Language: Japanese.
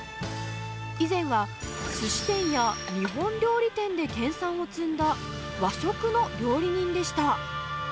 以前はすし店や日本料理店で研さんを積んだ、和食の料理人でした。